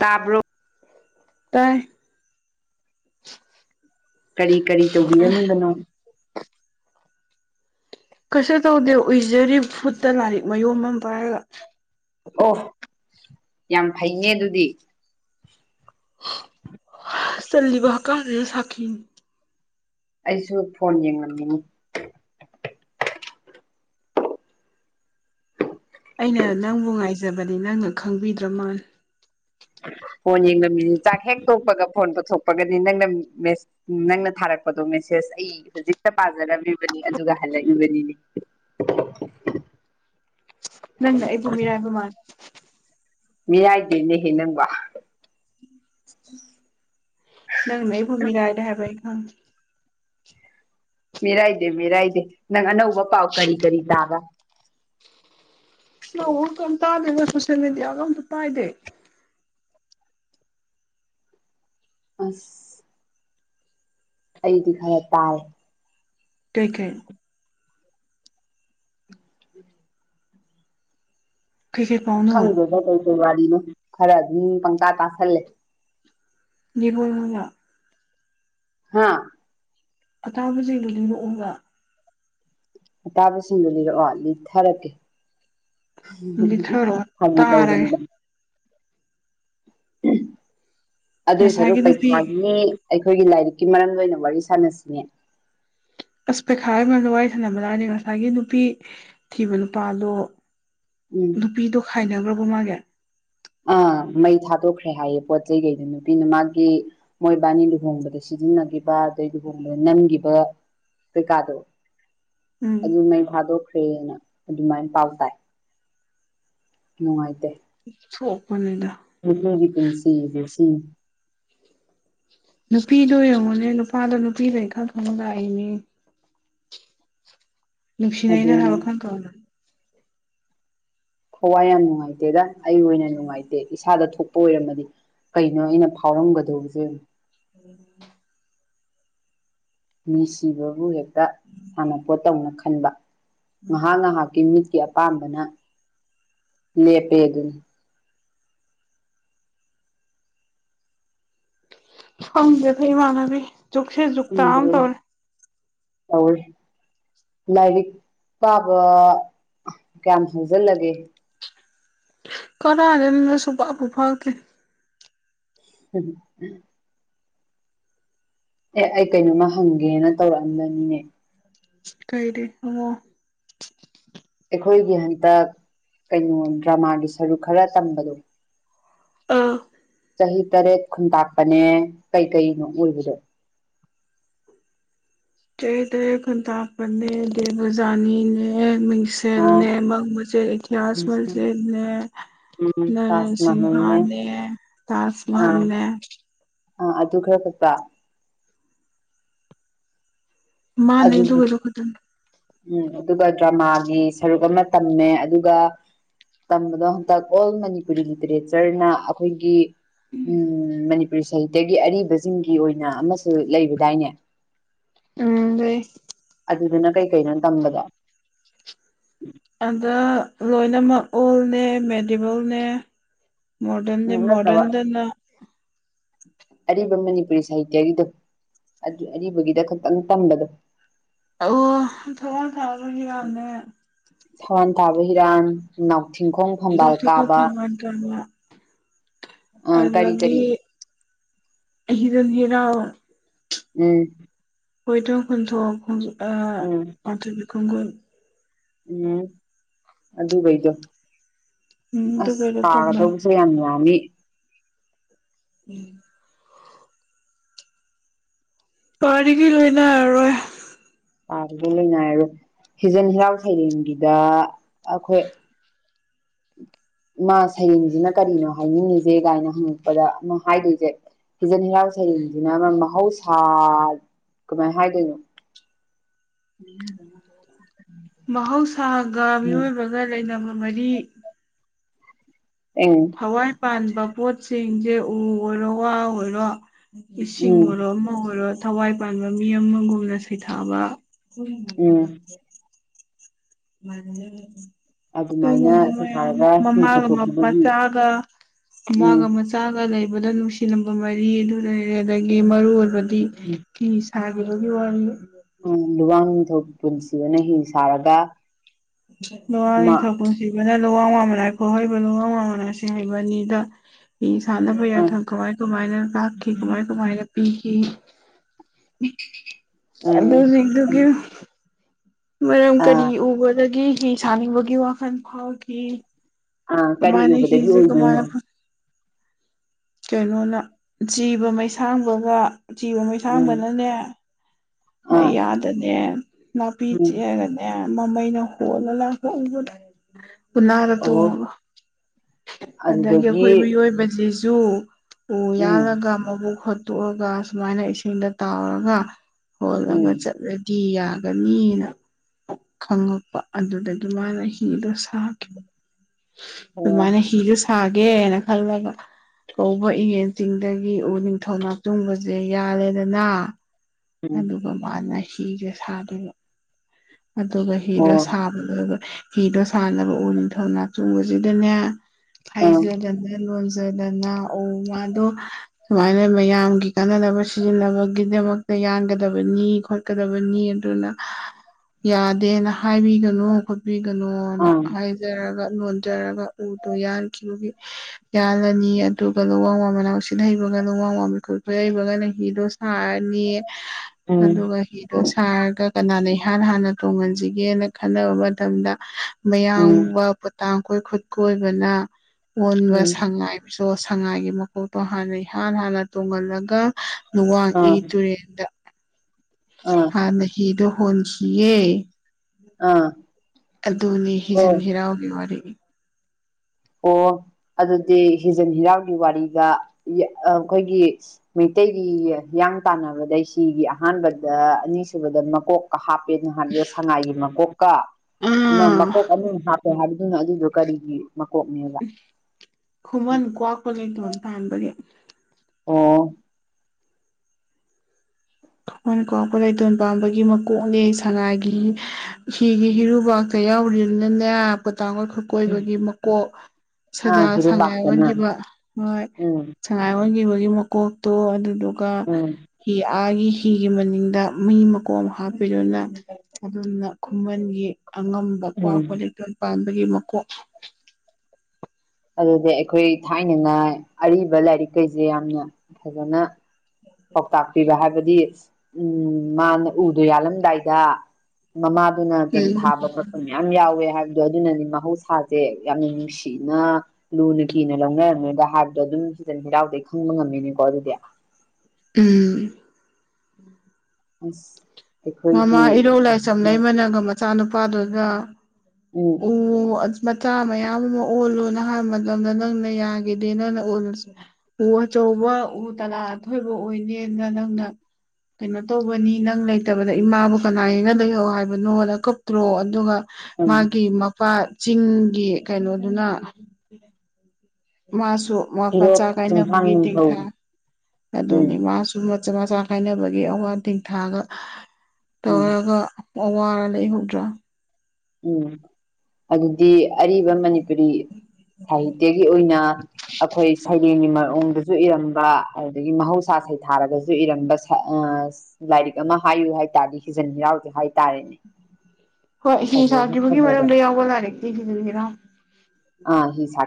ꯇꯕ꯭ꯔꯣ ꯇꯥꯏ ꯀꯔꯤ ꯀꯔꯤ ꯇꯧꯕꯤꯔꯅꯤꯡꯕꯅꯣ ꯀꯩꯁꯨ ꯇꯧꯗꯦ ꯎꯏꯖꯔꯤ ꯐꯨꯠꯇ ꯂꯥꯏꯔꯤꯛ ꯃꯌꯣꯝ ꯑꯃ ꯄꯥꯏꯔꯒ ꯑꯣ ꯌꯥꯝ ꯐꯩꯅꯦ ꯑꯗꯨꯗꯤ ꯆꯜꯂꯤꯕ ꯀꯥꯦ ꯁꯥꯀꯤ ꯑꯩꯁꯨ ꯐꯣꯟ ꯌꯦꯡꯉꯟꯅꯤꯡꯉꯤ ꯑꯩꯅ ꯅꯪꯕꯨ ꯉꯥꯏꯖꯕꯅꯤ ꯅꯪꯅ ꯈꯪꯕꯤꯗ꯭ꯔ ꯃꯥꯜ ꯐꯣꯟ ꯌꯦꯡꯕꯃꯤꯅꯤ ꯆꯥꯛ ꯍꯦꯛ ꯇꯣꯛꯄꯒ ꯐꯣꯟ ꯄꯨꯊꯣꯛꯄꯒꯅꯤ ꯅꯪꯅ ꯅꯪꯅ ꯊꯥꯔꯛꯄꯗꯣ ꯃꯦꯁꯦ ꯁ ꯑꯩ ꯍꯧꯖꯤꯛꯇ ꯄꯥꯖꯔꯝꯃꯤꯕꯅꯤ ꯑꯗꯨꯒ ꯍꯜꯂꯛꯏꯕꯅꯤꯅꯦ ꯅꯪꯅ ꯑꯩ ꯨꯝꯃꯤꯔ ꯍꯥꯏꯕꯃꯥꯟ ꯃꯤꯔꯥꯏꯗꯅꯤꯍꯦ ꯅꯪꯕ ꯅꯪ ꯅ ꯨꯃꯤꯒꯑꯗ ꯍꯥꯏꯦꯕ ꯏꯈꯪ ꯃꯤꯦꯔꯥꯏꯗꯦ ꯃꯤꯦꯔꯥꯏꯗꯦ ꯅꯪ ꯑꯅꯧꯕ ꯄꯥꯎ ꯀꯔꯤ ꯀꯔꯤ ꯇꯥꯕ ꯒ ꯇꯗ ꯏꯒ ꯁꯣꯁꯤꯜ ꯃꯗꯤꯌꯥꯒ ꯇ ꯇꯥ ꯏꯗꯦ ꯑꯁ ꯑꯩꯗꯤ ꯈꯔ ꯇꯥꯏ ꯇꯦꯛꯀꯦꯜ ꯀ꯭ꯀꯦꯠ ꯄꯥꯎꯅꯣ ꯀ ꯋꯥꯔꯤꯅꯣ ꯈꯔ ꯑꯗꯨꯝ ꯄꯪꯇꯥꯥ ꯇꯥꯁꯜꯂꯦ ꯖꯤꯕꯣꯏ ꯃꯉꯌꯥꯝ ꯍꯥꯥ ꯑꯇꯥꯕꯁꯤꯡꯗꯨ ꯂꯔꯣꯛꯑꯒ ꯑꯇꯥꯕꯁꯤꯡꯗꯨꯣ ꯂꯤꯔꯛꯑꯣ ꯂꯤ ꯊꯥꯔꯛꯀꯦ ꯎ ꯂꯤꯊꯔꯛꯑꯣ ꯍꯧ ꯇꯥꯔꯒꯦ ꯇꯧꯕꯅꯤꯅ ꯑꯗꯨꯗ ꯁꯔ ꯉꯁꯥꯏꯒꯤ ꯅꯨꯄꯤ ꯄꯩꯅꯤ ꯑꯩꯈꯣꯏꯒꯤ ꯂꯥꯏꯔꯤꯛꯀꯤ ꯃꯔꯝ ꯑꯣꯏꯅ ꯋꯥꯔꯤ ꯁꯥꯟꯅꯁꯤꯅꯦ ꯑꯁ ꯄꯩꯈꯥꯔꯗ ꯋꯥꯔꯤ ꯁꯅꯕ ꯇꯅꯤ ꯉꯁꯥꯏꯒꯤ ꯅꯨꯄꯤ ꯊꯤꯕ ꯅꯨꯄꯥꯗꯣ ꯎꯝ ꯅꯨꯄꯤꯗꯣ ꯈꯥꯏꯅꯈ꯭ꯔꯕꯣ ꯃꯥꯒ ꯑꯥ ꯃꯩ ꯊꯥꯗꯣꯛꯈ꯭ꯔꯦ ꯍꯥꯏꯌꯦ ꯄꯣꯠ ꯆꯩ ꯀꯩꯗ ꯅꯨꯄꯤꯅ ꯃꯥꯒꯤ ꯃꯣꯏꯕꯥꯅꯤ ꯂꯨꯍꯣꯡꯕꯗ ꯁꯤ ꯁꯤꯖꯤꯟꯅꯈꯤꯕ ꯑꯗꯩꯗꯨꯒꯨꯝꯕ ꯅꯝꯈꯤꯕ ꯀꯩꯀꯥꯗꯣ ꯎꯝ ꯑꯗꯨ ꯑꯗꯨ ꯅ ꯊꯥꯗꯣ ꯈ꯭ꯔꯦꯅ ꯑꯗꯨꯃꯥꯏꯅ ꯄꯥꯎ ꯇꯥꯏ ꯅꯨꯡꯉꯥꯏꯇꯦ ꯁꯄꯅꯤꯗ ꯃꯜꯒꯤ ꯀ ꯁꯤ ꯁꯤ ꯅꯨꯄꯤꯗꯣ ꯌꯦꯡꯉꯣꯅꯦ ꯅꯨꯄꯥꯗꯣ ꯅꯨꯄꯤꯗꯩꯀꯥ ꯊꯣꯡ ꯂꯥꯛꯏꯅꯦ ꯂꯅꯨꯡꯁꯤꯅꯅ ꯊꯥ ꯑꯗꯨꯅ ꯈꯪ ꯈꯪꯡꯅ ꯊꯋꯥꯏ ꯌꯥꯝ ꯅꯨꯡꯉꯥꯏꯇꯦꯗ ꯑꯩ ꯑꯣꯏꯅ ꯅꯨꯡꯉꯥꯏꯇꯦ ꯏꯁꯥꯗ ꯊꯣꯛ ꯑꯣꯏꯔꯝꯃꯗꯤ ꯀꯩꯅꯣ ꯑꯩꯅ ꯐꯥꯎꯔꯝꯒꯗꯧꯁꯦ ꯎꯝ ꯃꯤ ꯁꯤꯕꯕꯨ ꯍꯦꯛꯇ ꯁꯥꯟꯅꯄꯣꯠ ꯇꯧꯅ ꯈꯟꯕ ꯉꯥꯏꯍꯥꯛ ꯉꯥꯏꯍꯥꯛꯀꯤ ꯃꯤꯠ ꯑꯄꯥꯝꯕꯅ ꯂꯦꯞꯄꯦ ꯑꯗꯨ ꯊꯗꯦ ꯐ ꯃꯥꯅꯕꯤ ꯖꯨꯛꯁꯦ ꯖꯨꯛꯇ ꯑꯝ ꯇꯧꯔ ꯑꯣꯏ ꯂꯥꯏꯔꯤꯛ ꯄꯥꯕ ꯀꯌꯥꯝ ꯍꯧꯖꯤꯜꯂꯒꯦ ꯈꯔ ꯑꯂ ꯁꯨꯐ ꯐꯐꯥꯎ ꯀ ꯎꯝ ꯎꯝ ꯑꯦ ꯑꯩ ꯀꯩꯅꯣꯃ ꯍꯪꯒꯦꯅ ꯇꯧꯔꯛꯑꯝꯕꯅꯤꯅꯦ ꯀꯩꯔꯤꯦ ꯑꯣ ꯑꯩꯈꯣꯏꯒꯤ ꯍꯟꯇꯛ ꯀꯩꯅꯣ ꯗ꯭ꯔꯃꯥꯒꯤ ꯁꯔꯨꯛ ꯈꯔ ꯇꯝꯕꯗꯣ ꯑꯥ ꯆꯍꯤ ꯇꯔꯦꯠ ꯈꯨꯟꯇꯥꯛꯄꯅꯦ ꯀꯩꯀꯩꯅꯣ ꯑꯣꯏꯕꯗꯣ ꯏꯁꯇꯦꯇ ꯈꯟꯇꯥꯞ ꯄ꯭ꯔꯗꯦ ꯗ ꯔꯖꯅꯤꯅꯦ ꯑꯣ ꯃꯤꯡꯁꯦꯜꯅꯦ ꯃ ꯃꯁ ꯏꯇꯤꯍꯥꯁ ꯃꯁꯠꯅꯦ ꯎꯝ ꯅꯔꯟ ꯇꯥꯖ ꯃꯍꯜꯅꯦ ꯁꯤꯟꯍꯥꯅꯦ ꯇꯥꯖ ꯃꯍꯍꯜꯅꯦ ꯑ ꯑꯗꯨ ꯈꯔ ꯈꯛꯇ ꯑꯗꯨ ꯃꯥꯅꯦꯗ ꯍꯔꯣ ꯈꯣꯗꯅ ꯎꯝ ꯑꯗꯨꯒ ꯗ꯭ꯔꯃꯥꯒꯤ ꯁꯔꯨꯛ ꯑꯃ ꯇꯝꯃꯦ ꯑꯗꯨꯒ ꯇꯝꯕꯗꯣ ꯍꯟꯇꯛ ꯑꯣꯜ ꯃꯅꯤꯄꯨꯔꯤ ꯂꯤꯇꯔꯦꯆꯔꯅ ꯑꯩꯈꯣꯏꯒꯤ ꯎꯝ ꯃꯅꯤꯄꯨꯔꯤ ꯁꯥꯍꯤꯇꯒꯤ ꯑꯔꯤꯕꯁꯤꯡꯒꯤ ꯑꯣꯏꯅ ꯑꯃꯁꯨ ꯂꯩꯕꯗꯥꯏꯅꯦ ꯎꯝ ꯂꯩ ꯑꯗꯨꯗꯨꯅ ꯀꯩꯀꯩꯅꯣ ꯇꯝꯕꯗꯣ ꯑꯗ ꯂꯣꯏꯅꯃꯛ ꯑꯣꯜꯅꯦ ꯃꯦꯗꯤꯕꯜꯅꯦ ꯃꯣꯗꯔꯟ ꯎꯝ ꯅꯠꯇꯕ ꯃꯣꯗꯔꯟꯗ ꯅ ꯑꯔꯤꯕ ꯃꯅꯤꯄꯨꯔꯤ ꯁꯥꯍꯤꯇ꯭ꯌꯒꯤꯗꯣ ꯑꯗꯨ ꯑꯔꯤꯕꯒꯤꯗ ꯈꯛꯇꯪ ꯇꯝꯕꯗꯣ ꯑꯣ ꯊ ꯊꯥꯕꯖꯤꯗ ꯊꯋꯥꯟ ꯊꯥꯕ ꯍꯤꯔꯥꯡ ꯅꯥꯎꯊꯤꯡꯈꯣꯡ ꯐꯝꯕꯥꯜ ꯂꯧꯊꯣꯛꯄ ꯀꯥꯕ ꯐꯪꯉꯣꯏꯗ꯭ꯔꯅ ꯑꯥ ꯀꯔꯤ ꯀꯔꯤ ꯏꯔꯗꯤꯔ ꯎꯝ ꯍꯣꯏꯇ ꯈꯨꯨꯟꯊꯣ ꯎꯝ ꯄꯊꯩ ꯏꯈꯨꯡꯒꯨꯝ ꯎꯝ ꯑꯗꯨ ꯀꯩꯗ ꯎꯝ ꯑꯁ ꯑꯗꯨꯒ ꯇꯝꯂꯝ ꯄꯥꯒꯗꯧꯕꯁꯨ ꯌꯥꯝ ꯌꯥꯅꯤ ꯎꯝ ꯄꯔꯒ ꯂꯣꯏꯅ ꯑ ꯑꯦ [unintelligible] ꯥ ꯂꯩꯏꯔꯣꯏ ꯍꯤꯖꯟ ꯍꯤꯔꯥꯎ ꯁꯩꯔꯦꯡꯒꯤꯗ ꯑꯩꯈꯣꯏ ꯏꯃꯥ ꯁꯩꯔꯦꯡꯁꯤꯅ ꯀꯔꯤꯅꯣ ꯍꯥꯏꯅꯤꯡꯉꯁꯦ ꯀꯥꯏꯅ ꯍꯪꯉꯛꯄꯗ ꯑꯃ ꯍꯥꯏꯗꯣꯏꯁꯦ ꯍꯤꯖꯟ ꯍꯤꯔꯥꯎꯜ ꯁꯩꯔꯦꯡꯁꯤꯅ ꯑꯃ ꯃꯍꯧꯁꯥ ꯀꯃꯥꯏꯅ ꯍꯥꯏꯗꯣꯏꯅꯣ ꯑ [unintelligible] ꯃꯍꯧꯁꯥꯒ ꯃꯤꯑꯣꯏꯕꯒ ꯂꯩꯅꯕ ꯃꯔꯤ ꯎꯝ ꯊꯋꯥꯏ ꯄꯥꯟꯕ ꯄꯣꯠꯁꯤꯡꯁꯦ ꯎ ꯑꯣꯏꯔꯣ ꯋꯥ ꯑꯣꯏꯔꯣ ꯏꯁꯤꯡ ꯎꯝ ꯑꯣꯏꯔꯣ ꯑꯃ ꯑꯣꯏꯔꯣ ꯊꯋꯥꯏ ꯄꯥꯟꯕ ꯃꯤ ꯑꯃꯒꯨꯝꯅ ꯁꯩꯊꯥꯕ ꯎꯝ ꯃ ꯑꯗꯨꯃꯥꯏꯅ [inaudible] ꯃꯌꯥꯝ ꯁꯩꯊꯥꯔꯒ ꯍꯤ ꯃꯃꯥꯒ ꯄꯨꯊꯣꯛꯈꯤꯕꯒꯤ ꯃꯆꯥꯒ ꯃꯥꯒ ꯎꯝ ꯑꯃ ꯆꯥꯒ ꯂꯩ ꯍꯕꯗ ꯅꯨꯡꯁꯤꯂꯝꯕ ꯃꯔꯤ ꯑꯗꯨ ꯂꯩꯔꯦ ꯑꯗꯒꯤ ꯃꯔꯨ ꯑꯣꯏꯕꯗꯤ ꯍꯥꯏꯦꯒꯤ ꯋꯥ ꯎꯝ ꯂꯨꯋꯥꯡ ꯅꯤꯡꯊꯧ ꯄꯨꯟꯁꯤꯕꯅ ꯍꯤ ꯁꯥꯔꯒ ꯂꯉꯅꯤ ꯊ ꯃꯥ ꯄꯨꯨꯁꯤꯕ ꯅ ꯂꯨꯋꯥꯡ ꯃꯃꯅꯥ ꯍꯥꯏꯈꯣ ꯍꯩꯕ ꯂꯨꯋꯥꯡ ꯃꯃꯟꯁ ꯍꯩꯕꯅꯤꯗ ꯃꯤ ꯁꯥꯟꯅꯕ ꯑꯥ ꯌꯥꯊꯪ ꯀꯃꯥꯏ ꯀꯃꯥꯏꯅ ꯂꯥꯛꯈꯤ ꯀꯃꯥꯏ ꯀꯃꯥꯏꯅ ꯄꯤꯈꯤ ꯎꯝ ꯑꯗꯨꯗꯨ ꯀ ꯃꯔꯝ ꯀꯔꯤ ꯑꯥ ꯎꯕꯗꯒꯦ ꯀ ꯁꯥꯅꯤꯡꯕꯒꯤ ꯋꯥꯈꯜ ꯐꯥꯎꯈꯤ ꯑꯥ ꯀꯔꯤ ꯀꯨꯃꯥꯏꯅꯦꯦ ꯎꯕꯗꯒꯤ ꯍꯖꯦ ꯑꯣꯏꯗꯣꯏꯅꯣ ꯀꯨꯃꯅꯦ ꯀꯩꯅꯣꯅ ꯖꯤꯕ ꯃꯩꯁꯥꯡꯕꯒ ꯖꯤꯕ ꯎꯝ ꯃꯩꯁꯥꯡꯕꯅꯅꯦ ꯑꯥ ꯃꯩꯌꯥꯗꯅꯦ ꯅꯥꯄꯤ ꯎꯝ ꯆꯦꯛꯛꯑꯒꯅꯦ ꯃꯃꯩꯩꯅ ꯍꯣꯂꯣ ꯍꯣꯡꯗ ꯎꯟꯅꯔ ꯑꯣ ꯇꯣꯡꯒ ꯑꯗꯒꯤ ꯑꯩꯈꯣꯏ ꯑꯗꯨꯗꯒꯤ ꯃꯤꯑꯣꯏꯕꯁꯤꯁꯨ ꯎ ꯎꯝ ꯌꯥꯜꯂꯒ ꯃꯕꯨꯛ ꯍꯥꯇꯣꯛꯑꯒ ꯁꯨꯃꯥꯏꯅ ꯏꯁꯤꯡꯗ ꯇꯥꯎꯔꯒ ꯍꯣꯜꯂꯒ ꯎꯝ ꯆꯠꯂꯗꯤ ꯐꯤ ꯌꯥꯒꯅꯤꯅ ꯈꯉꯛꯄ ꯑꯗꯨꯗꯒꯤ ꯃꯥꯅ ꯍꯤꯗꯣ ꯁꯥꯈꯤꯕ ꯑꯣ ꯑꯗꯨꯃꯥꯏꯅ ꯍꯤꯁꯨ ꯁꯥꯒꯦꯅ ꯈꯜꯂꯒ ꯀꯧꯕ ꯌꯦꯟ ꯆꯤꯡꯗꯒꯤ ꯎ ꯅꯤꯡꯊꯧ ꯉꯥꯛꯆꯨꯡꯕꯁꯦ ꯌꯥꯜꯂꯦꯗꯅ ꯎꯝ ꯑꯗꯨꯒ ꯃꯥꯅ ꯍꯤꯁꯦ ꯁꯥꯗꯣꯏꯕ ꯑꯗꯨꯒ ꯍꯤꯗꯣ ꯑꯣ ꯁꯥꯕꯗꯨꯒ ꯐꯤꯗꯣ ꯁꯥꯟꯅꯕ ꯎꯅꯤ ꯊꯧꯅꯥꯛ ꯆꯣꯡꯕꯁꯤꯗꯅꯦ ꯑꯥ ꯍꯩꯁꯦꯗ ꯂꯣꯟ ꯐꯖꯗꯅ ꯎ ꯃꯥꯗꯣ ꯁꯨꯃꯥꯏꯅ ꯃꯌꯥꯝꯒꯤ ꯀꯥꯟꯅꯅꯕ ꯁꯤꯖꯤꯟꯅꯕꯒꯤꯗꯃꯛꯇ ꯌꯥꯡꯒꯗꯕꯅꯤ ꯈꯣꯠꯀꯗꯕꯅꯤ ꯑꯗꯨꯅ ꯌꯥꯗꯦꯅ ꯍꯥꯏꯕꯤꯒꯅꯨ ꯈꯣꯠꯄꯤꯒꯅꯣꯅ ꯑꯥ ꯍꯥꯏꯖꯔꯒ ꯂꯣꯟꯖꯔꯒ ꯎꯗꯣ ꯌꯥꯟꯈꯤꯕꯒꯤ ꯌꯥꯜꯂꯅꯤ ꯑꯗꯨꯒ ꯂꯨꯋꯥꯡ ꯋꯥ ꯃꯅꯥꯎ ꯁꯤꯜ ꯍꯩꯕ ꯐꯕꯒꯅ ꯍꯤ ꯗꯣ ꯁꯥ ꯎꯝ ꯑꯗꯨꯒ ꯍꯤꯗꯣ ꯁꯥꯔꯒ ꯀꯅꯥꯅ ꯏꯍꯥꯟ ꯍꯥꯟꯅ ꯇꯣꯡꯍꯟꯁꯤꯒꯦꯅ ꯈꯟꯅꯕ ꯃꯇꯝꯗ ꯎꯝ ꯃꯌꯥꯝꯕ ꯄꯣꯇꯥꯡ ꯀꯣꯏ ꯈꯨꯠ ꯀꯣꯏꯕꯅ ꯑꯣꯟꯕ ꯎꯝ ꯁꯉꯥꯏꯁꯨ ꯁꯉꯥꯏꯒꯤ ꯃꯀꯣꯛꯇꯣ ꯍꯥꯟꯅ ꯏꯍꯥꯟ ꯍꯥꯟꯅ ꯇꯣꯡꯍꯜꯂꯒ ꯋꯥꯡꯏ ꯑꯥ ꯇꯨꯔꯦꯟꯗ ꯑꯥ ꯍꯥꯟꯅ ꯍꯤꯗꯣ ꯍꯣꯟꯁꯤ ꯌꯦꯦ ꯑꯥ ꯑꯗꯨꯅꯤ ꯍꯤꯖꯟ ꯑꯣ ꯍꯤꯔꯥꯎꯒꯤ ꯋꯥꯔꯤꯅꯤ ꯑꯣ ꯑꯗꯨꯗꯤ ꯍꯤꯖꯟ ꯍꯤꯔꯥꯎꯒꯤ ꯋꯥꯔꯤꯗ ꯑꯩꯈꯣꯏꯒꯤ ꯃꯩꯇꯩꯒꯤ ꯍꯤꯌꯥꯡ ꯇꯥꯟꯅꯕꯗ ꯁꯤꯒꯤ ꯑꯍꯥꯟꯕꯗ ꯑꯅꯤꯁꯨꯕꯗ ꯃꯀꯣꯛꯀ ꯍꯥꯞ ꯍꯥꯞꯄꯦꯅ ꯍꯥꯄ ꯁꯉꯥꯏꯒꯤ ꯃꯀꯣꯛꯀ ꯑꯃ ꯃꯀꯣꯛ ꯑꯥ ꯑꯃ ꯍꯔꯗꯨꯅ ꯑꯗꯨ ꯌ ꯀꯒꯤ ꯈꯨꯃꯟ ꯀ꯭ꯋꯥ ꯀꯂꯦꯣ ꯑꯇ ꯑꯟꯕꯗꯤ ꯑꯣ ꯑꯩꯣꯏꯅꯤꯀꯣ ꯑꯩꯈꯣꯏ ꯂꯩꯇꯣꯟ ꯄꯥꯝꯕꯒꯤ ꯃꯀꯣꯛꯅꯦ ꯁꯅꯥꯒꯤ ꯍꯤꯒꯤ ꯍꯤꯔꯨꯕꯥꯛꯇ ꯌꯥꯎꯔꯤꯕꯅꯤꯅꯅꯦ ꯄꯇꯥꯡꯈꯣꯏ ꯎꯝ. ꯈꯨꯀꯣꯏꯕꯒꯤ ꯃꯀꯣꯛ ꯁꯖ ꯑꯥ ꯁꯉꯥꯏ ꯍꯤꯔꯨꯕꯥꯛꯇꯅ ꯑꯣꯟꯈꯤꯕ ꯍꯣꯏ ꯎꯝ ꯁꯉꯥꯏ ꯑꯣꯟꯈꯤꯕ ꯒꯤ ꯃꯀꯣꯛꯇꯣ ꯑꯗꯨꯗꯨꯒ ꯎꯝ ꯍ ꯑꯥꯒꯤ ꯍꯤꯒꯤ ꯃꯅꯤꯡꯗ ꯃꯤ ꯃꯀꯣꯝ ꯍꯥꯞꯄꯤꯗꯨꯅ ꯑꯗꯨꯝꯅ ꯈꯨꯃꯟꯒꯤ ꯑꯉꯝꯕ ꯀ꯭ ꯎꯝ ꯀ ꯂꯤꯇꯣꯟ ꯄꯥꯟꯕꯒꯤ ꯃꯀꯣꯛ ꯑꯗꯨꯗꯤ ꯑꯩꯈꯣꯏ ꯊꯥꯏꯅꯉꯥꯏ ꯑꯔꯤꯕ ꯂꯥꯏꯔꯤꯛꯈꯩꯁꯦ ꯌꯥꯝꯅ ꯐꯖꯅ ꯄꯥꯎꯇꯥꯛ ꯄꯤꯕ ꯍꯥꯏꯕꯗꯤ ꯎꯝ ꯃꯥꯅ ꯎꯗꯣ ꯌꯥꯜꯂꯝ ꯑꯗꯨꯗꯥꯏꯗ ꯃꯃꯥꯗꯨꯅ ꯇꯦꯡ ꯎꯝ ꯊꯥꯕ ꯈꯣꯠꯄ ꯃꯌꯥꯝ ꯌꯥꯎꯋꯦ ꯍꯥꯏꯕꯗꯣ ꯑꯗꯨꯅꯗꯤ ꯃꯍꯧꯁꯥꯁꯦ ꯌꯥꯝꯅ ꯅꯨꯡꯁꯤꯅ ꯂꯨꯅ ꯀꯤꯅ ꯂꯧꯅꯔꯝꯒꯗ ꯍꯥꯏꯕꯗꯣ ꯑꯗꯨꯝ ꯁꯤꯗ ꯍꯔꯥꯎꯗꯩ ꯈꯪꯕ ꯉꯝꯃꯤꯅꯤꯀꯣ ꯑꯗꯨꯗꯤ ꯑꯝ ꯑꯁ ꯃꯃꯥ ꯑꯩꯈꯣꯏꯒꯤ ꯏꯔꯧ ꯂꯥꯏꯁꯝ ꯂꯩꯃꯅꯒ ꯃꯆꯥꯅꯨꯄꯥꯗꯨꯒ ꯎꯝ ꯎ ꯃꯆꯥ ꯃꯌꯥꯝ ꯑꯃ ꯑꯣꯜꯂꯣꯅ ꯍꯥꯏꯕ ꯃꯇꯝꯗ ꯅꯪꯅ ꯌꯥꯒꯤꯗꯦ ꯅꯪꯅ ꯑꯣꯜꯂꯁꯤ ꯎꯆ ꯇꯧꯕ ꯎ ꯇꯂꯥ ꯑꯊꯣꯏꯕ ꯑꯣꯏꯅꯦꯅ ꯅꯪꯅ ꯀꯩꯅꯣ ꯇꯧꯕꯅꯤ ꯅꯪ ꯂꯩꯇꯕꯗ ꯏꯃꯥꯕꯨ ꯀꯅꯥ ꯌꯦꯡꯅ ꯂꯩꯣꯏꯌꯣ ꯍꯥꯏꯕꯅꯣꯗ ꯀꯇ꯭ꯔꯣ ꯑꯗꯨꯒ ꯎꯝ ꯃꯥꯒꯤ ꯃꯄꯥ ꯆꯤꯡꯒꯤ ꯀꯩꯅꯣꯗꯨꯅ ꯃꯥꯁꯨ ꯁꯨ ꯃꯥ ꯏꯔꯣꯞ ꯃꯆꯥ ꯆꯨꯝꯊꯥꯡ ꯀꯥꯏꯅꯕꯒꯤ ꯅꯤꯡꯊꯧ ꯇꯦꯡꯊꯥ ꯎꯝ ꯑꯗꯨꯅꯤ ꯃꯥꯁꯨ ꯃꯆꯥ ꯃꯆꯥ ꯈꯥꯏꯅꯕꯒꯤ ꯑꯋꯥ ꯊꯤꯡꯊꯥꯒ ꯎꯝ ꯇꯧꯔꯒ ꯑꯣ ꯋꯥꯔ ꯂꯩ ꯍꯧꯗ꯭ꯔꯥ ꯎꯝ ꯑꯗꯨ ꯗꯤ ꯑꯔꯤꯕ ꯃꯅꯤꯄꯨꯔꯤ ꯁꯥꯍꯤꯇ꯭ꯌꯒꯤ ꯑꯣꯏꯅ ꯑꯩꯈꯣꯏ ꯁꯩꯔꯦꯡꯒꯤ ꯃꯑꯣꯡꯗꯁꯨ ꯏꯔꯝꯕ ꯑꯗꯨꯗꯒꯤ ꯃꯍꯧꯁꯥ ꯁꯩꯊꯥꯔꯒꯁꯨ ꯏꯔꯝꯕ ꯂꯥꯏꯔꯤꯛ ꯑꯃ ꯍꯥꯏꯌꯨ ꯍꯥꯏꯇꯥꯥꯔꯗꯤ ꯍꯤꯖꯟ ꯍꯤꯔꯥꯎꯁꯦ ꯍꯥꯏꯇꯥꯔꯦꯅꯦ ꯍꯣꯏ ꯍ ꯁꯥ꯭ꯈꯤꯕꯒꯤ ꯃꯔꯝꯗ ꯌꯥꯎꯕ ꯂꯥꯏꯔꯤꯛꯇꯤ ꯁꯤꯗꯁꯤꯔ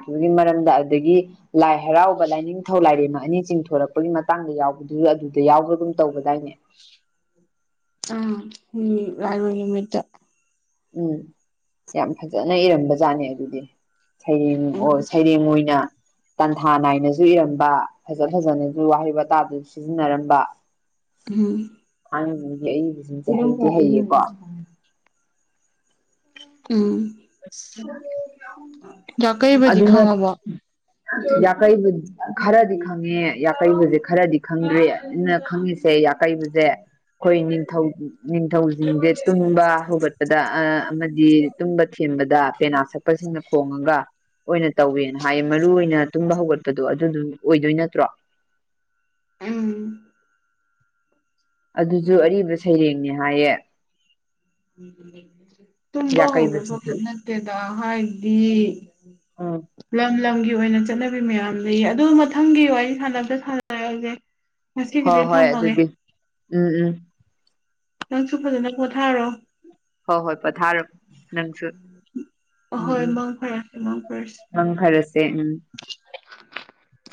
ꯑꯗꯨꯒꯤ ꯃꯔꯝꯗ ꯑꯗꯒꯤ ꯂꯥꯏ ꯍꯔꯥꯎꯕ ꯂꯥꯏꯅꯤꯡꯊꯧ ꯂꯥꯏꯔꯦꯝ ꯑꯅꯤ ꯆꯤꯡꯊꯣꯔꯛꯄ ꯄꯒꯤ ꯃꯇꯥꯡꯗ ꯌꯥꯎꯕꯗꯨ ꯑꯗꯨꯗ ꯌꯥꯎꯕ ꯑꯗꯨꯝ ꯇꯧꯕꯗꯥꯏꯅꯦ ꯑ ꯎꯝ ꯔꯔꯂ ꯃꯠꯇ ꯎꯝ ꯌꯥꯝ ꯐꯖꯅ ꯏꯔꯝꯕ ꯖꯥꯠꯅꯦ ꯑꯗꯨꯗꯤ ꯁꯩꯔꯦꯡ ꯑꯣ ꯎꯝ ꯁꯩꯔꯦꯡ ꯑꯣꯏꯅ ꯇꯟꯊꯥ ꯅꯥꯏꯅꯁꯨ ꯏꯔꯝꯕ ꯐꯖ ꯐꯖꯅꯁꯨ ꯋꯥꯍꯩ ꯋꯥꯇꯥꯗꯨꯁꯨ ꯁꯤꯖꯤꯟꯅꯔꯝꯕ ꯎꯝ ꯍꯥꯏ ꯑꯩꯁꯦꯛꯇꯤ ꯍꯩꯌꯦꯀꯣ ꯎꯝ ꯎ ꯀꯩꯕꯖꯤ ꯈꯪꯉꯕ ꯌꯥꯀꯩꯕꯨ ꯈꯔꯗꯤ ꯈꯪꯉꯦ ꯌꯥꯀꯩꯕꯨꯁꯦ ꯈꯔꯗꯤ ꯈꯪꯗ꯭ꯔꯦ ꯑꯅ ꯈꯪꯉꯤꯁꯦ ꯑꯀꯩꯕꯨꯁꯦ ꯑꯩꯈꯣꯏ ꯅꯤꯡꯊꯧ ꯅꯤꯡꯊꯧꯁꯤꯡꯁꯦ ꯇꯨꯝꯕ ꯍꯧꯒꯠꯄꯗ ꯑ ꯑꯃꯗꯤ ꯇꯨꯝꯕ ꯊꯕꯗ ꯄꯦꯅꯥ ꯁꯛꯄꯁꯤꯡꯅ ꯈꯣꯡꯉꯒ ꯑꯣꯏꯅ ꯇꯧꯋꯦꯅ ꯍꯥꯏꯌꯦ ꯃꯔꯨ ꯑꯣꯏꯅ ꯇꯨꯝꯕ ꯍꯧꯒꯠꯄꯗꯣ ꯑꯗꯨꯗꯨ ꯑꯣꯏꯗꯣꯏ ꯅꯠꯇ꯭ꯔꯣ ꯎꯝ ꯑꯗꯨꯁꯨ ꯑꯔꯤꯕ ꯁꯩꯔꯦꯡꯅꯤ ꯍꯥꯏꯌꯦ ꯇꯨꯝꯕ ꯍꯒꯕ ꯌꯥꯀꯩꯕꯁꯤꯁꯨ ꯅꯠꯇꯦꯗ ꯍꯥꯏꯗꯤ ꯎꯝ ꯂꯪ ꯂꯪꯒ ꯑꯣꯏꯅ ꯆꯠꯅꯕꯤ ꯃꯌꯥꯝ ꯂꯩ ꯑꯗꯨ ꯃꯊꯪꯒꯤ ꯋꯥꯔꯤ ꯁꯅꯕꯗ ꯁꯅꯔꯁꯦ ꯉꯁꯤ ꯍꯣꯏ ꯀꯗꯤ ꯍꯣꯏ ꯊꯝꯃꯒꯦ ꯑꯗꯨꯗꯤ ꯎꯝ ꯎꯝ ꯅꯪꯁꯨ ꯐꯖꯅ ꯄꯣꯊꯥꯔꯣ ꯍꯣꯏ ꯍꯣꯏ ꯄꯊꯥꯔ ꯅꯪꯁꯨ ꯎꯝ ꯑꯍꯣꯏ ꯎꯝ ꯃꯪ ꯐꯔꯁꯦ ꯃꯪ ꯐꯔꯁꯦ ꯑꯪ ꯐꯔꯁꯦ ꯎꯝ [unintelligible]